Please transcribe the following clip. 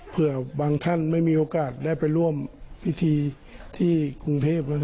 บางท่านไม่มีโอกาสได้ไปร่วมพิธีที่กรุงเทพ